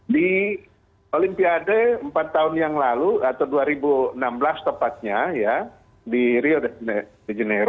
di olimpiade empat tahun yang lalu atau dua ribu enam belas tepatnya ya di rio de janeiro